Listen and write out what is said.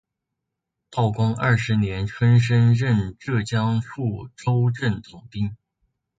道光二十年春升任浙江处州镇总兵。